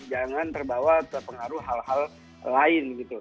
jangan terbawa terpengaruh hal hal lain gitu